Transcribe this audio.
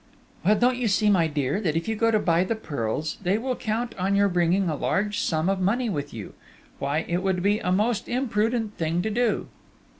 "Well! Don't you see, my dear, that if you go to buy the pearls, they will count on your bringing a large sum of money with you!... Why, it would be a most imprudent thing to do!..."